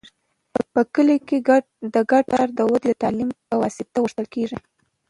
په کلي کې د ګډ کار دود د تعلیم په واسطه غښتلی کېږي.